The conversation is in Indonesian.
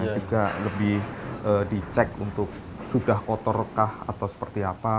juga lebih dicek untuk sudah kotorkah atau seperti apa